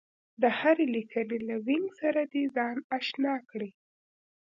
د هرې لیکبڼې له وينګ سره دې ځان اشنا کړي